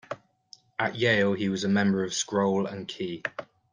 At Yale he was a member of Scroll and Key.